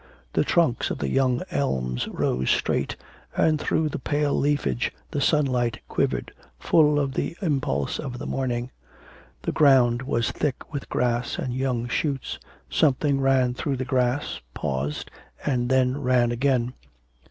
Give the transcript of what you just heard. The trunks of the young elms rose straight, and through the pale leafage the sunlight quivered, full of the impulse of the morning. The ground was thick with grass and young shoots.... Something ran through the grass, paused, and then ran again.